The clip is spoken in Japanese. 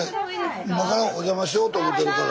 今からおじゃましようと思ってるから。